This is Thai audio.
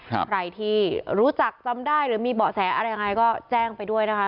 ใครที่รู้จักจำได้หรือมีเบาะแสอะไรยังไงก็แจ้งไปด้วยนะคะ